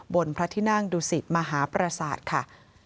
บนพระทินั่งดุสิตมหาปราศาสตร์